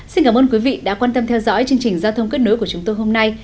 xin cảm ơn quý vị đã quan tâm theo dõi chương trình giao thông kết nối của chúng tôi hôm nay